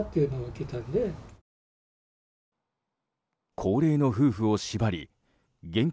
高齢の夫婦を縛り現金